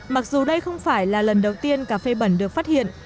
mặc dù đây không phải là lần đầu tiên cà phê bẩn được phát hiện